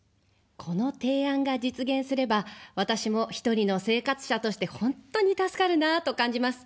この提案が実現すれば私も１人の生活者として本当に助かるなあと感じます。